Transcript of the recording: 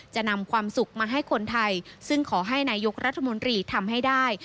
จะนำความสุขมาให้คนไทยซึ่งขอให้นายกรัฐมนตรีทำให้ได้